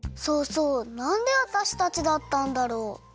そうそうなんでわたしたちだったんだろう？